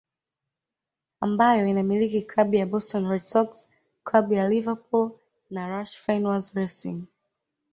Ambayo inamiliki Klabu ya Boston Red Sox klabu ya Liverpool na Roush Fenways Racing